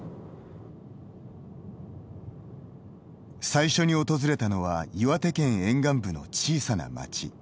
最初に訪れたのは岩手県沿岸部の小さな町。